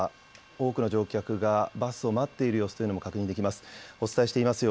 多くの乗客がバスを待っている様子というのも確認できます。